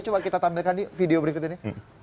coba kita tampilkan di video berikut ini